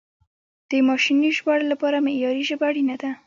د ماشیني ژباړې لپاره معیاري ژبه اړینه ده.